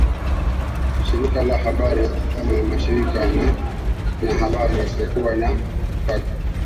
shirika la habari ama mashirika na wanahabari wasiokuwa na mipaka